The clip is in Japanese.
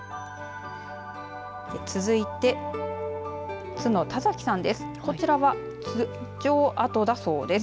続いて、津の田崎さんです。